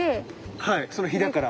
はいそのひだから。